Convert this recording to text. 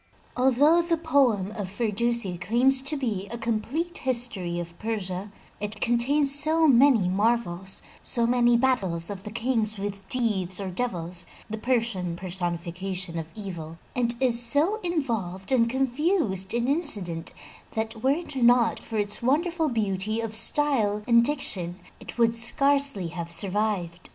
Although the poem of Firdusi claims to be a complete history of Persia, it contains so many marvels, so many battles of the Kings with Deevs or devils (the Persian personification of evil) and is so involved and confused in incident, that were it not for its wonderful beauty of style and diction, it would scarcely have survived.